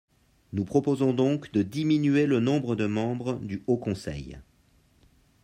Nous proposons donc de diminuer le nombre de membres du Haut conseil.